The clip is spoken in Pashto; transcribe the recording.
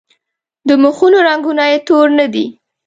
د مخونو رنګونه یې تور نه دي.